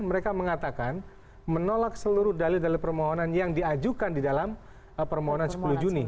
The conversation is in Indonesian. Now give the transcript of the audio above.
mereka mengatakan menolak seluruh dalil dalil permohonan yang diajukan di dalam permohonan sepuluh juni